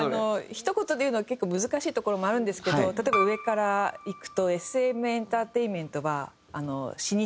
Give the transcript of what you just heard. ひと言で言うのは結構難しいところもあるんですけど例えば上からいくとＳＭエンターテインメントは老舗。